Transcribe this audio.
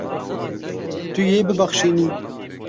Tu yê bibexşînî.